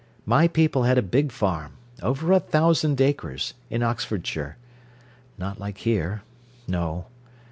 My people had a big farm over a thousand acres in Oxfordshire. Not like here no.